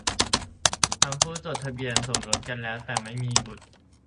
ทั้งคู่จดทะเบียนสมรสกันแล้ว แต่ไม่มีบุตร